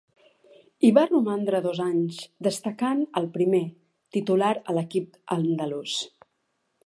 Hi va romandre dos anys, destacant el primer, titular a l'equip andalús.